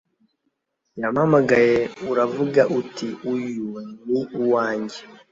Yampamagaye uravuga uti Uyo ni uwanjye